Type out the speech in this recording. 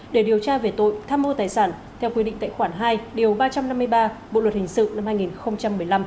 để điều tra về tội tham mô tài sản theo quy định tệ khoản hai điều ba trăm năm mươi ba bộ luật hình sự năm hai nghìn một mươi năm